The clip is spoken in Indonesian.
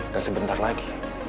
dan sebentar lagi